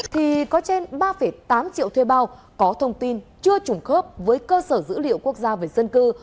thì có trên ba tám triệu thuê bao có thông tin chưa trùng khớp với cơ sở dữ liệu quốc gia về dân cư